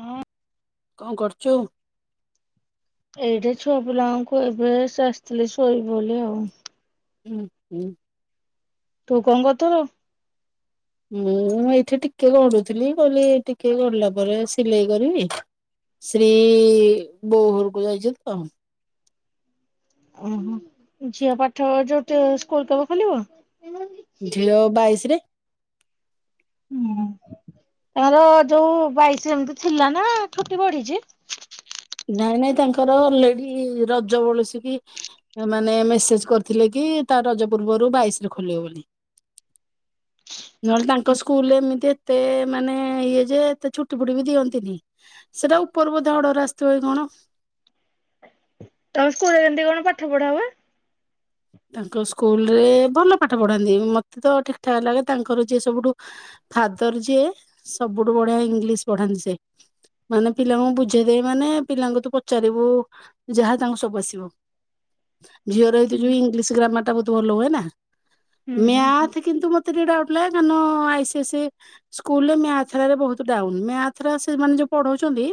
ଅଁ- କଣ୍ କରୁଚୁ? ଏଇଠେ ଛୁଆ ପିଲାଙ୍କୁ ଖୁଆଇ ପିଆଇ ଏବେ ଆସିଥିଲି ଶୋଇବ ବୋଲି ଆଉ। ହୁଁ -ହୁଁ। ତୁ କଣ କରୁଥିଲୁ? ମୁଁ ଏଇଠି ଟିକେ ଗଡୁଥିଲି କହିଲି ଟିକେ ଗଡିଲା ପରେ ସିଲେଇ କରିବି ଶ୍ରୀ ବୋହୂ ଘର କୁ ଯାଇଚନ୍ତି ତ ଓ ହୋ। ଝିଅ ପାଠ ଯଉ [unintelligible] ସ୍କୁଲ୍ କେବେ ଖୋଲିବ? ଝିଅ ବାଇଶ୍ ରେ। ହୁଁ ତାଙ୍କର ଯଉ ବାଇଶି ଏମିତି ଥିଲା ନା ଛୁଟି ବଢିଚି? ନାଇଁ ନାଇଁ ତାଙ୍କର ଅଲ୍ ରେଡି ରଜ ବଳସିକି ମାନେ ମେସେଜ୍ କରିଥିଲେ କି ତା ରଜ ପୂର୍ବରୁ ବାଇଶ୍ ରେ ଖୋଲିବ ବୋଲି। ନହେଲେ ତାଙ୍କ ସ୍କୁଲରେ ଏମିତି ଏତେ ମାନେ ଇଏ ଯେ ଏତେ ଛୁଟି ଫୁଟି ବି ଦିଅନ୍ତିନି ସେଟା ଉପରୁ ବୋଧେ ଅର୍ଡର ଆସିିଥିବ କି କଣ। ତାଙ୍କ ସ୍କୁଲ ରେ କେମତି କଣ ପାଠ ପଢା ହୁଏ? ତାଙ୍କ ସ୍କୁଲ୍ ରେ ଭଲ ପାଠ ପଢାନ୍ତି ମତେ ତ ଠିକ୍ ଠାକ୍ ଲାଗେ ତାଙ୍କର ଯିଏ ସବୁଠୁ ଫାଦର୍ ଯିଏ ସବୁଠୁ ବଢିଆ ଇଂଲିଶ ପଢାନ୍ତି ସେ। ମାନେ ପିଲାଙ୍କୁ ବୁଝେଇଦେବେ ମାନେ ପିଲାଙ୍କୁ ତୁ ପଚାରିବୁ ଯାହା ତାଙ୍କୁ ସବୁ ଆସିବ ଝିଅର ଏଇତି ହୁଁ ଯଉ ଇଂ ଲିଶ୍ ଗ୍ରାମାର୍ ବହୁତ୍ ଭଲ ହୁଏ ନା ହୁଁ ହୁଁ ମ୍ୟାଥ୍ କିନ୍ତୁ ମ ତେ ଟିକେ ଡାଉଟ୍ ଲାଗେ କାରଣ ଆଇସିଏସି ସ୍କୁଲ ରେ ମ୍ୟାଥ୍ ରା ରେ ବହୁତ୍ ଡାଉନ୍ ମ୍ୟାଥ୍ ରା ସେମାନେ ଯଉ ପଢ଼ଉଚନ୍ତି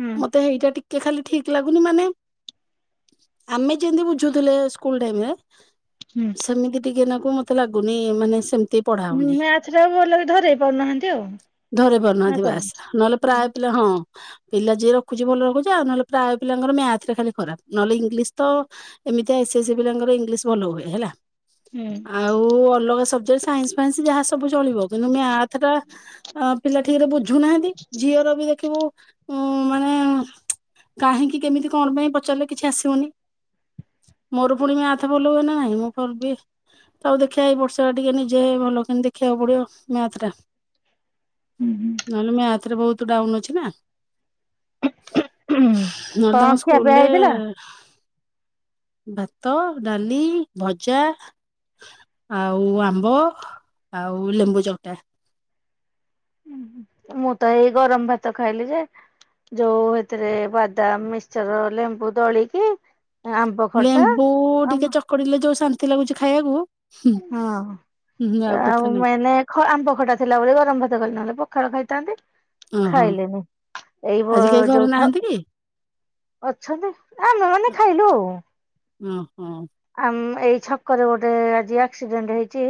ହୁଁ। ମତେ ହେଇଟା ଟିକେ ଖାଲି ଠିକ୍ ଲାଗୁନି ମାନେ ଆମେ ଯେମତି ବୁଝୁଥିଲେ ସ୍କୁ ସ୍କୁଲ୍ ଟାଇମ୍ ରେ ହୁଁ। ସେମିତି ଟିକେ ନାକୁ ମତେ ଲାଗୁନି ମାନେ ସେମିତି ପଢା ହଉନି ହୁଁ ମ୍ୟାଥ୍ ଟାକୁ ଭଲରେ ଧରେଇ ପାରୁନାହାଁନ୍ତି ଆଉ। ଧରେଇ ନା ପାରୁନାହାଁନ୍ତିି କଣ? ବାସ୍ ନହେଲେ ପ୍ରାୟ ପିଲା ହଁ ପିଲା ଯିଏ ରଖୁଚି ଭଲ ରଖୁଚି ଆଉ ନହେଲେ ପ୍ରାୟ ପିଲାଙ୍କର ମ୍ୟାଥ୍ ରେ ଖାଲି ଖରାପ୍ ନହେଲେ ଇଂଲିଶ୍ ତ ଏମିତିଆ ଏସ୍ ଏସ୍ ସି ପିଲାଙ୍କର ଇଂଲିଶ ଭଲ ହୁଏ ହେଲା ହୁଁ। ଆଉ ଅଲଗା ସବଜେକ୍ଟ୍ ସାଇନ୍ସ୍ ଫାଇନ୍ସ ଯାହା ସବୁ ଚଳିବ କିନ୍ତୁ ମ୍ୟାଥ୍ ଟା ଆଁ- ପିଲା ଠିକ୍ ରେ ବୁଝଉନାହାନ୍ତି ଝିଅର ବି ଦେଖ୍ ଦେଖିବୁ ମାନେ କାହିଁକି କେମିତି କଣ ପାଇଁ ପଚାରିଲେ କିଛି ଆସିବନି। ମୋର ପୁଣି ମ୍ୟାଥ୍ ଭଲ ହୁଏ ନା ନାହିଁ ମୁଁ ଫର୍ବି ଆଉ ଦେଖିବା ଏଇ ବର୍ଷ ଟିକେ ନିଜେ ଭଲକିନି ଦେଖିବାକୁ ପଡିବ ମ୍ୟାଥ୍ ଟା। ହୁଁ ହୁଁ। ନହେଲେ ମ୍ୟାଥ ରେ ବହୁତ ଡାଉନ ଅଛି ନା ନହେଲେ କଣ ତାଙ୍କ ଖିଆ ପିଆ ସ୍କୁଲରେ ହେଇଥିଲା? ଭାତ ଡାଲି ଭଜା ଆଉ ଆମ୍ବ ଆଉ ଲେମ୍ବୁ ଚକଟା ଉଁ ହୁଁ ମୁଁ ତ ଏଇ ଗରମ ଭାତ ଖାଇଲି ଯେ ଯଉ ହେଥିରେ ବାଦାମ ମିକ୍ସର ଲେମ୍ବୁ ଦଳିକି ଆମ୍ବ ଖଟା ଲେମ୍ବୁ ଆମ ଟିକେ ଚକଡିଲେ ଯୋଉ ଶାନ୍ତି ଲାଗୁଛି ଖାଇବାକୁ। ହୁଁ ହଁ ହୁଁ କଥା ଆଉ ନାହିଁ ମେନ ଆମ୍ବ ଖଟା ଥିଲା ବୋଲି ଗରମ ଭାତ କଲି ନହେଲେ ପଖାଳ ଖାଇଥାନ୍ତି। ଓହୋ ଖାଇଲେନି ଏଇ ବ ଆଜି କେହି ଯଉ ଘରେ ନାହାନ୍ତି କି? ଅଛନ୍ତି ଆମେ ମାନେ ଖାଇଲୁ ଆଉ ହୁଁ ଆମ ଏଇ ଛକରେ ଗୋଟେ ଆଜି ଆକ୍ସିଡେଣ୍ଟ ହେଇଚି।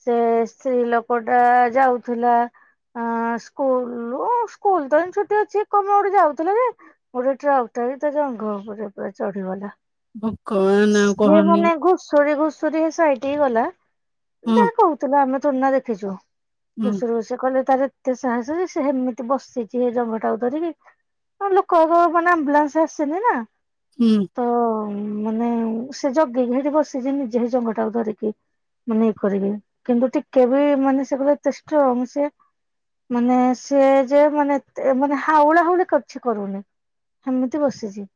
ସେ ସ୍ତ୍ରୀ ଲୋକ ଟା ଯାଉଥିଲା। ହାଁ ସ୍କୁଲରୁ ସ୍କୁଲ ତ ଏ ଛୁଟି ଅଛି କଣ ପାଇଁ ଗୋଟେ ଯାଉଥିଲ ଯେ ଗୋଟେ ଟ୍ରକଟେ ତା ଜଙ୍ଘ ଉପରେ ପୁରା ଚଢିଗଲା। ହୁଁ ସିଏ ମାନେ ଘୁଷୁରୀ ଘୁଷୁରୀ ହେ ସାଇଡ କୁ ଗଲା ହୁଁ ଯାହା କହୁ ଆମେ ଥୋଡୀ ନା ଦେଖିଚୁ। ହୁଁ ସେ କହିଲେ ତାର ଏତେ ସାହସ ସେ ହେମିତି ବସିଇଛି ହେ ଜଙ୍ଘଟାକୁ ଧରିକି। ଲୋକବାକ ମାନେ ଆମ୍ବୁଲାନ୍ସ ଆସିନିନା ହୁଁ ତ ମାନେ ସେ ଜଗିକି ହେଟି ବସିଛି ନିଜେ ସହେ ଜଙ୍ଗଟାକୁ ଧରିକି। ମାନେ ଇଏ କରିକି କିନ୍ତୁ ଟିକେ ବି ମାନେ ସେ କହିଲେ ସେ ଏତେ ଷ୍ଟ୍ରଙ୍ଗ ସେ ମାନେ ସିଏ ଯେ ମାନେ ମାନେ ହାଉଳା ହଉଳି କିଛି କରୁନି। ହେମିତି ବସିଛି।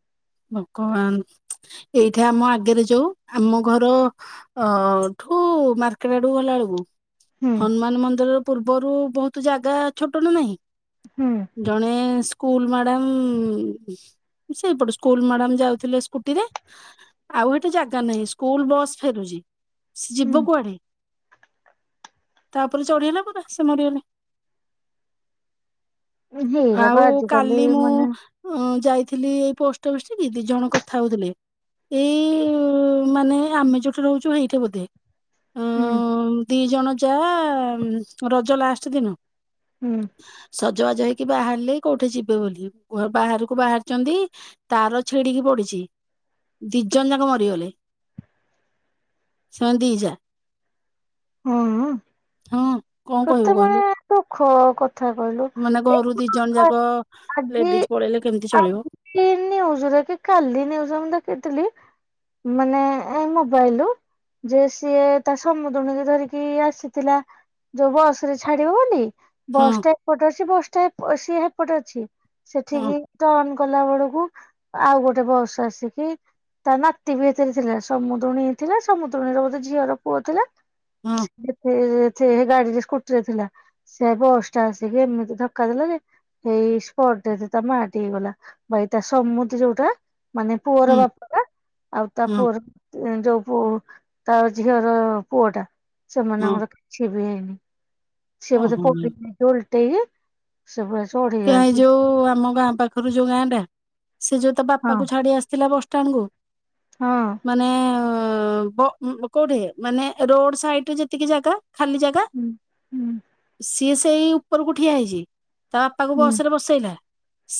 ଭଗବାନ ଏଇଠି ଆମ ଆଗରେ ଯଉ ଆମ ଘର ଅଠୁ ମାର୍କେଟ ଆଡକୁ ଗଲା ବେଳକୁ ହୁଁ ହନୁମାନ ମନ୍ଦିର ପୂର୍ବରୁ ବହୁତ ଜାଗା ଛୋଟ ନା ନାହିଁ। ହୁଁ ଜଣେ ଏ ସ୍କୁଲ ମ୍ୟାଡାମ ସେଇପଟ ସ୍କୁ ସ୍କୁଲ ମ୍ୟାଡାମ ଯାଉଥିଲେ ସ୍କୁଟିରେ ଆଉ ହେଠି ଜାଗା ନାହିଁ ସ୍କୁଲ ବସ୍ ଫେରୁଛି। ସେ ହୁଁ। ଯିବ କୁଆଡେ ତାପରେ ଚଢିଗଲା ପୁରା ସେ ମରିଗଲେ। ହେଇରା ବା ଆଉ ଆଜିକାଲି କାଲି ମାନେ ମୁଁ ଯାଇଥିଲି ଏଇ ପୋଷ୍ଟ ଅଫିସ ଠିକି ଦି ଜଣ କଥା ହଉଥିଲେ। ଏଇ ମାନେ ଆମେ ଯୋଉଠି ରହୁଛୁ ହେଇଠେ ବୋଧେ। ହୁଁ ଦି ଜଣ ଯା ରଜ ଲାଷ୍ଟ ଦିନ। ହୁଁ ସଜବାଜ ହେଇକି ବାହାରିଲେ କୋଉଠି ଯିବେ ବୋଲି ବାହାରକୁ ବାହାରିଛନ୍ତି। ତାର ଛିଡିକି ପଡିଛି ଦି ଜଣ ଯାକ ମରିଗଲେ। ସେମାନେ ଦି ଜା। ହଁ ହଁ କଣ କହିବ କହିଲୁ କେତେବେଳେ ଦୁଃଖ କଥା କହିଲୁ। ମାନେ ଘରୁ ଦି ଜଣ ଯାକ ଲେଡିଜ ପଳେଇଲେ କେମିତି ଚଳିବ। ଇ ନ୍ୟୁଜ ଦେଖି କାଲି ନ୍ୟୁଜ୍ ମୁଁ ଦେଖିଥିଲି। ମାନେ ଏ ମୋବାଇଲରୁ ଯେ ସିଏ ତା ସମୁ [unintelligible] ଧରିକି ଆସିଥିଲା ଯୋଉ ବସ ରେ ଛାଡିବ ବୋଲି ହଁ ବସ୍ ଟା ଏପଟ ଅଛି ବସଟା ସିଏ ହେପଟ ଅଛି ହଁ ସେଠିକି ଟର୍ଣ କଲା ବେଳକୁ, ଆଉ ଗୋଟେ ବସ୍ ଆସିକି ତା ନାତି ବି ଏଥିରେ ଥିଲେ। ସମୁଦୁଣୀ ଥିଲା ସମୁଦୁଣୀ ର ଝିଅର ପୁଅ ଥିଲା। ହଁ [inaudible] ଗାଡିରେ ସ୍କୁଟିରେ ଥିଲା। ସେ ବଷ୍ଟ ଟା ଆସିକି ଏମିତି ଧକ୍କା ଦେଲା ଯେ ଏଇ ସ୍ପଟ ଡେଥ ତା ମା ଟି ହେଇଗଲା। ଭାଇ ତା ସମୁଦି ଯୋଉଟା ମାନେ ପୁଅର ହୁଁ ବାପା ଆଉ ତା ହଁ ପୁଅର ଯୋଉ ତା ଝିଅର ପୁଅ ଟା ହଁ ସେମାନଙ୍କର କିଛି ବି ହେଇନି ସିଏ କହନି ବୋଧେ [unintelligible] ଓଲଟେଇକି। ସେ [inaudible] କିଆ ଯୋଉ ଆମ ଗାଁ ପାଖ ଖବୁ ଯୋଉ ଗାଁ ଟା, ସେ ଯୋଉ ତ ହଁ ବାପାକୁ ଛାଡି ଆସିଥିଲା ବସଷ୍ଟାଣ୍ଡ କୁ ହଁ ମାନେ ନେ ବ କୋଉଠି ମାନେ ରୋଡ ସାଇଡ ଯେତିକି ଜାଗା ଖାଲି ଜାଗା, ହୁଁ ହୁଁ ସିଏ ସେଇ ଉପରକୁ ଠିଆ ହେଇଛି ତାପ ତାକୁ ହୁଁ ବସ ରେ ବସେଇଲା।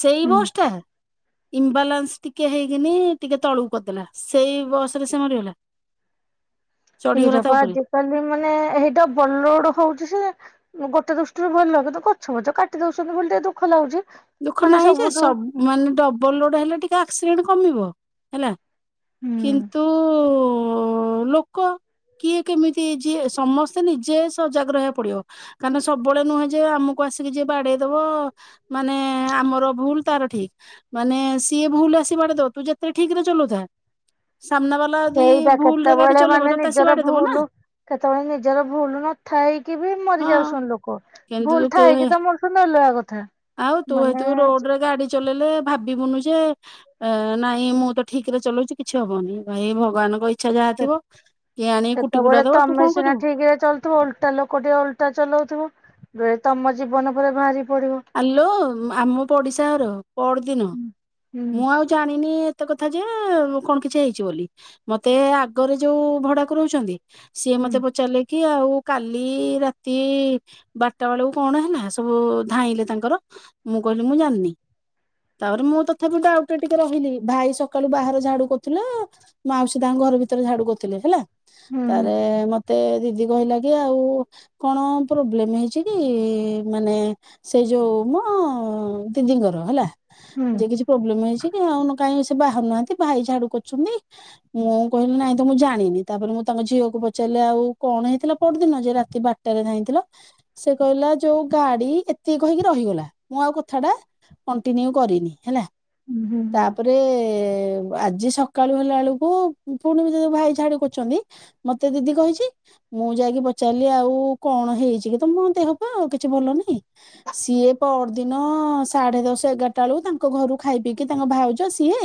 ସେଇ ହୁଁ ବସ ଟା ଇମ୍ବାଲାନ୍ସ ଟିକେ ହେଇକିନି ଟିକେ ତଳକୁ କରିଦେଲା। ସେଇ ବସ ରେ ସେ ମରିଗଲା? ଚଢିଗଲା ତା ସେଇଟାପା ଉପରେ ଆଜିକାଲି ମାନେ ହେଇଟା ଡବଲ ଲୋଡ ହଉଛି ସିନା ଗୋଟ ଦୃଷ୍ଟିରୁ ଭଲ। କିନ୍ତୁ ଗଛ ପଛ କାଟି ଦଉଛନ୍ତି ବୋଲି ଟିକେ ଦୁଃଖ ଲାଗୁଛି। ଦୁଃଖ ମାନେ ନାହିଁ ଯେ ସବୁଠୁ ସବ ମାନେ ଡବଲ ରୋଡ ହେଲେ ଟିକେ ଆକ୍ସିଡେଣ୍ଟ କମିବ ହେଲା ହୁଁ କିନ୍ତୁ ଉ ଲୋକ କିଏ କେମିତି ଯିଏ ସମସ୍ତେ ନିଜେ ସଜାଗ ରହିବାକୁ ପଡିବ। କାରଣ ସବୁବେଳେ ନୁହେଁ ଯେ ଆମକୁ ଆସିକି ଯିଏ ବାଡେଇ ଦବ ମାନେ ଆମର ଭୁଲ ତାର ଠିକ। ମାନେ ସିଏ ଭୁଲରେ ଆସିବାଡେଇ ଦବ ତୁ ଯେତେ ଠିକ ରେ ଚଲୋଉ ଥା ସାମ୍ନା ବାଲା ଲା ଯଦି ସେଇଟା ଭୁଲ ରେ ଗାଡି କେତେବେଳେ ଚଲେଇିବ ମାନେ ତୋତେ ଆସୀ ନିଜର ବାଡେଇ ଦବ ନା। ଭୁଲ କେତେବେଳେ ନିଜର ଭୁଲ ନଥାାଇକି ବି ମରି ହଁ ଯାଉଛନ୍ତି ଲୋକ। ଭୁଲ କିନ୍ତୁ ଥାଇକି ତ [unintelligible] କଥା ଆଉ ତୁ ମାନେ ହେତୁ ରୋଡରେ ଗାଡି ଚଲେଇଲେ ଭାବିବୁନୁ ଯେ ଏ ନାଇଁ ମୁଁ ତ ଠିକ ରେ ଚଲଉଛି କିଛି ହବନି ଭାଇ ଭଗବାନ କ ଇ ଇଛା ଯାହା ଥିବ କିଏ ଆଣିକି କୁଟି କୁଟା ଦବ ତୁ କଣ କରିବୁ। ତୁ ଓଲଟା ଲୋକ ଟିକେ ଓଲଟା ଚଲାଉଥିବ ଯେ ତମ ଜୀବନ ଉପରେ ବାହାରି ପଡିବ। ଆଲୋ ଆମ ପଡିଶା ଘର ପରଦିନ ହୁଁ ହୁଁ ମୁଁ ଆଉ ଜାଣିନି ଏତେ କଥା ଯେ କଣ କିଛି ହେଇଛି ବୋଲି ମତେ ଆଗରେ ଯୋଉ ଭଡାକୁ ରହୁଛନ୍ତି। ସିଏ ହୁଁ ମତେ ପଚାରିଲେ କି କି ଆଉ କାଲି ରାତି ବାରଟା ବେଳକୁ କଣ ହେଲା ସବୁ ଧାଇଁଲେ ତାଙ୍କର ମୁଁ କହିଲି ମୁଁ ଜାଣିନି। ତାପରେ ମୁଁ ତଥାପି ଡାଉଟ ରେ ଟିକେ ରହିଲି, ଭାଇ ସକାଳୁ ବାହାର ଝାଡୁ କରୁଥିଲେ ମାଉସ ତାଙ୍କ ଘର ଭିତରେ ଝାଡୁ କରଥିଲେ ହେଲା। ହୁଁ ତରେ ମତେ ମତେ ଦିଦି କହିଲା କି ଆଉ କଣ ପ୍ରୋବ୍ଲେମ ହେଇଛି କି? ମାନେ ସେଇ ଯୋଉ ମ ଦିଦିଙ୍କର ହେଲା ହୁଁ ଯେ କିଛି ପ୍ରୋବ୍ଲେମ ହେଇଛି କି ହଁ କାଇହିଁ ସେ ବାହାରୁନାହାନ୍ତି ଭାଇ ଝାଡୁ କରୁଛନ୍ତି। ମୁଁ କହିଲି ନାଇଁ ତ ମୁଁ ଜାଣିନି। ତାପରେ ମୁଁ ତାଙ୍କ ଝିଅକୁ ପଚାରିଲି ଆଉ କଣ ହେଇଥିଲା ପୋରଦିନ ଯେ ରାତି ବାଟ ଟାରେ ଧାଇଁଥିଲ ସେ କହିଲା ଯୋଉ ଗାଡି ଏତ ଏତି କହିକି ରହିଗଲା। ମୁଁ ଆଉ କଥାଟା କଣ୍ଟିନୁ କରିନି ହେଲା ହୁଁ ହୁଁ ହୁଁ ତାପରେ ରେ ଆଜି ସକାଳୁ ହେଲା ବେଳକୁ ପୁଣିବି ଯଦି ଭାଇ ଛାଡ଼ୁ କରୁଚନ୍ତି ମତେ ଦିଦି କହିଚି ମୁଁ ଯାଇକି ପଚାରିଲି ଆଉ କଣ ହେଇଚିକି ତମ ଦେହ ପା ଆଉ କିଛି ଭଲ ନାହିଁ ସିଏ ପରଦିନ ସାଢେ ଦଶ ଏଗାରଟା ବେଳକୁ ତାଙ୍କ ଘରୁ ଖାଇ ପିି କି ତାଙ୍କ ଭାଉଜ ସିଏ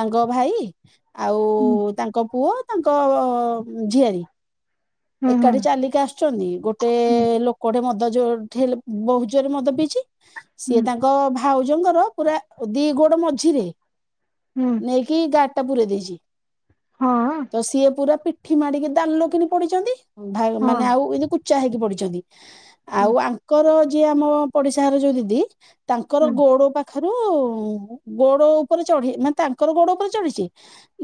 ତାଙ୍କ ଭାଇ ଆଉ ହୁଁ ତାଙ୍କ ପୁଅ ତାଙ୍କ ଝିଆରୀ ହୁଁ ଏକାଠି ହୁଁ ଚାଲିକି ଆସୁଚନ୍ତି ଗୋଟେ ଲୋକଟେ ମଦ ଯୋଉ ଠେ ବୋହୁତ ଜୋରେ ମଦ ପିଇଚି [inaudible] ସିଏ ତାଙ୍କ ଭାଉଜଙ୍କର ପୁରା ଦି ଗୋଡ଼ ମଝିରେ ହୁଁ। ଦେଇକି ଗାଡ଼ିଟା ପୁରେଇ ଦେଇଚି ହଁ ତସିଏ ପୁରା ପିଠି ମାଡ଼ିକି ଦାଲୁକି ପଡ଼ିଚନ୍ତି ଭା ହଁ ମାନେ ଆଉ ଏମତି କୁଚା ହେଇକି ପଡ଼ିଛନ୍ତି ହୁଁ ଆଉ ଆ ଙ୍କର ଯିଏ ଆମ ପଡ଼ିଶାଘର ଯୋଉ ଦିଦି ତାଙ୍କର ହୁଁ ଗୋଡ଼ ପା ପାଖରୁ ଗୋଡ଼ ଉପରେ ଚଢି ମାନେ ତାଙ୍କର ଗୋଡ଼ ଉପରେ ଚଢିଚି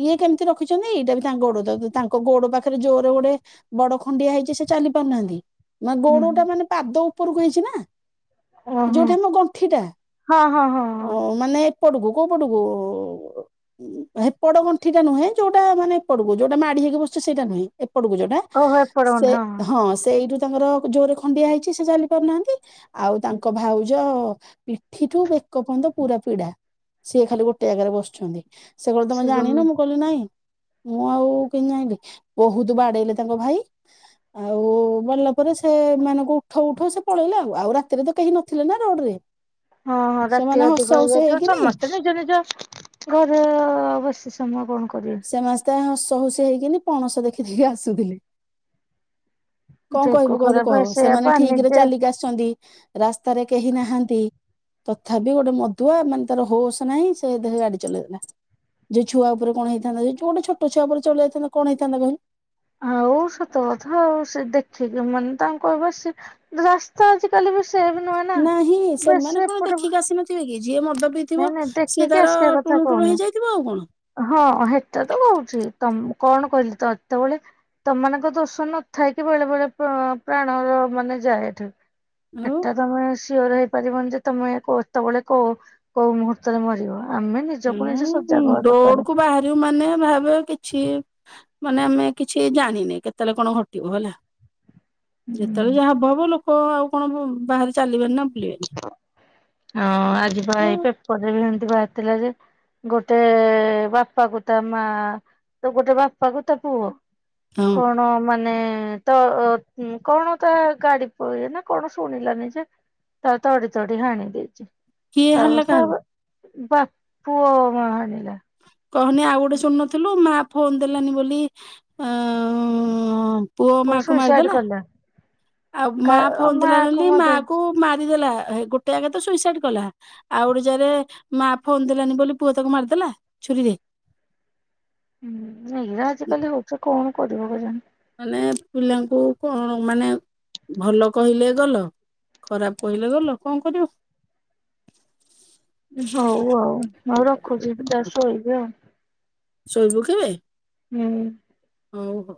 ଇଏ କେମିତି ରଖିଚନ୍ତି ଏଇଟାବି ତାଙ୍କ ଗୋଡ଼ ତାଙ୍କ ଗୋଡ଼ ପାଖରେ ଜୋରେ ଗୋଟେ ବଡ଼ ଖଣ୍ଡିଆ ହେଇଚି ସେଚାଲି ପାରୁନାହାନ୍ତି ମାନ ହୁଁ ଗୋଡ଼ଟା ମାନେ ପାଦ ଉ ଉପରକୁ ହେଇଚିନା ଓହୋ ଯୋଉଠା ଆମ ଗଣ୍ଠିଟା ହଁ ହଁ ହଁ ହଁ ଅଁ ମାନେ ପଡ଼କୁୁ କୋଉ ପଟକୁ ହ ହେପଟ ଗଣ୍ିଟା ନୁହେଁୋଉଟା ମାନେ ଏପଟକୁ ଯୋଉଟ ମାଡ଼ି ହେଇି ବସୁଚ ସେଇଟା ନୁହେଁ ଏପଟକୁ ଯୋଉଟା ଓହୋ ଏପଟ ସେ ଗଣ୍ଡା ହଁ ସେ ଏଇଠୁ ତାଙ୍କର ଜୋରେ ଖଣ୍ଡିଆ ହେଇଚି ସେ ଚାଲି ପାରୁନାହାନ୍ତି ଆଉ ତାଙ୍କ ଭାଉଜ ପିଠିଠୁ ବେକପନ୍ଦ ପୁରା ପିଡ଼ା ସିଏ ଖାଲି ଗୋଟେ ଜାଗାରେ ବସୁଚନ୍ତି। ସେ କହିଲ ତମେ ଜାଣିନ ମୁଁ କହିଲି ନାଇଁ ମୁଁ ଆଉ କେତି ଜାଣିଲି ବହୁତ୍ ବାଡ଼େଇଲେ ତାଙ୍କ ଭାଇ ଆଉ ବଢିଲା ପରେ ସେମାନଙ୍କୁ ଉଠଉ ଉଠଉ ସେ ପଳେଇଲା ଆଉ ଆଉ ରାତିରେତ କେହି ନଥିଲେନା ରୋଡ଼ରେ। ହଁ ହଁ ରାତି ଅଧିକ ହେଇଯିବ ହେଇକିନି ସମସ୍ତେ ନିଜ ନିଜ ଘରେ ବସି ସମୟ କଣ କରିବେ ସମସ୍ତେ ହସ ହୁସି ହେଇକିନି ପଣସ ଦେଖିିକି ଆସୁଥିଲେ। କଣ ଯୋଗ କହିବୁ କହିଲୁ ଖରାପ କହ ସେଇଆ ପା ସେମାନେ ଠିକରେ ନିଜେ ଚାଲିକି ଆସିଚନ୍ତି ରାସ୍ତାରେ କେହି ନାହାନ୍ତି ତଥାପି ଗୋଟେ ମଧୁଆ ମାନେ ତାର ହୋସ ନାହିଁ ସେ ଦେଖେ ଗାଡ଼ି ଚଲେଇ ଦେଲା। ଯଉ ଛୁଆ ଉପରେ କଣ ହେଇଥାନ୍ତା ଯେଦି ଗୋଟେ ଛୋଟ ଛୁଆ ଉପରେ ଚଲେଇଥାନ୍ କଣ ହେଇଥାତା କହିଲୁ। ଆଉ ସତ କଥା ଆଉ ସେଦେଖିକି ମାନେ ତାଙ୍କୁ କହିବା ସେ ତା ଆଜିକାଲିବି ସେବ୍ ନୁହଁନା ବେଶି ଏପଟେ ଥିବେକି ଯିଏ ମଦ ପିଇଥିବ ନାଇଁ ନାଇଁ ସିଏ ଦେଖିକି ତାର ଆସିବା କଥା ଟୁଣୁ ଟୁଣୁ କହୁନି। ହେଇଯାଇଥିବ ଆଉ କଣ। ହଁ ହେଟାତ କହୁଚି ତମ କଣ କହିଲି ତଏତେବେଳେ ତମାନଙ୍କ ଦୋଷ ନଥାଇକି ବେଳେ ବେଳେ ପ୍ର ପ୍ରାଣ ମାନେ ଯାଏ ଏଠି। ଆଉ ଏଟା ତମେ ସିଓର ହେଇପାରିବନିଯେ ତମେ କତେବେଳେ କୋ କୋଉ ମୁହୂର୍ତ୍ତରେ ମରିବ ଆମେ ନି ହଁ ରୋଡ଼କୁ ବାହାରିବୁ ମାନେ ଭାବେ କିଛି ମାନେ ଆମେ କିଛି ଜାଣିନେ କେତେବେଳେ କଣ ଘଟିବ ହେଲା। ଯେତେବେଳେ ହୁଁ ଯାହା ହବ ହବ ଲୋକ ଆଉ କଣ ବାହାରେ ଚାଲିବେନିନା ବୁଲିବେନି। ହଁ ଆଜିବା ଏଇ ପେପରରେବି ଏମିତି ବାହାରିଥିଲା ଯେ ଗୋଟେ ବାପାକୁ ତା ମା ତଗୋଟେ ବାପାକୁ ତାପୁଅ ହଁ କଣ ମାନେ ତ କଣ ତା ଗାଡି ପଇ ନା କଣ ଶୁଣିଲାନି ଯେ ତା ତଡ଼ି ତଡି ହାଣି। କିଏ ହାଣିଲା [unintelligible] କାହାକୁ? ସବ ବା ପୁଅ ମା ଆଣିଲା। କହନି ଆଉ ଗୋଟେ ଶୁଣୁନଥିଲୁ ମା ଫୋନ ଦେଲାନି ବୋଲି ଅ ପୁଅ ମାଆକୁ ସୁଇସାଇଡ ମାରିଦେଲା। କଲା ଆଉ ମା କା ଫୋନ ମା ଦେଲାନି କୁ ବୋଲି ମଧ୍ୟ ମାକୁ ମାରିଦେଲା ଗୋଟେ ଆଗ ତ ସୁଇସାଇଡ କଲା। ଆଉ ଗୋଟେ ଯାରେ ମା ଫୋନ ଦେଲାନି ବୋଲି ପୁଅ ତାକୁ ମାରିଦେଲା ଛୁରୀରେ। ହୁଁ ହେଇରା ଆଜିକାଲି ହଉଛି କଣ କରିବ କେଜାଣି। ମାନେ ପିଲାଙ୍କୁ କଣ ମାନେ ଭଲ କହିଲେ ଗଲ ଖରାପ କହିଲେ ଗଲ କଣ କରିବ। ହଉ ଆଉ ଆଉ ରଖୁଛି ଯା ଶୋଇବେ ଆଉ ଶୋଇବୁକି ହୁଁ ହଉ ହଉ।